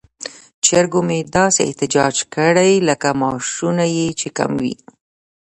چرګو مې داسې احتجاج کړی لکه معاشونه یې چې کم وي.